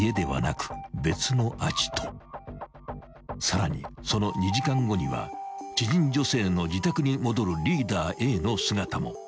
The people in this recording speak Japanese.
［さらにその２時間後には知人女性の自宅に戻るリーダーＡの姿も］